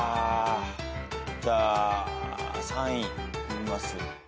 じゃあ３位見ます。